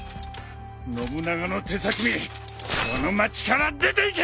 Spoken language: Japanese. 信長の手先めこの町から出ていけ！